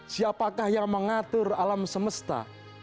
siapakah yang mengatur alam semesta